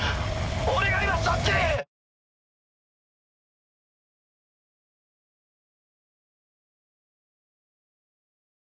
俺が今そっちに。